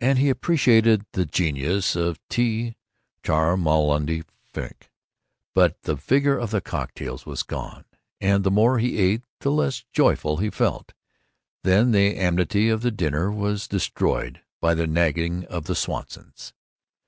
and he appreciated the genius of T. Cholmondeley Frink, but the vigor of the cocktails was gone, and the more he ate the less joyful he felt. Then the amity of the dinner was destroyed by the nagging of the Swansons.